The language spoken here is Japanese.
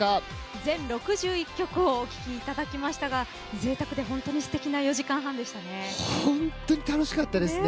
全６１曲をお聴きいただきましたが贅沢で本当にすてきな４時間半でしたね。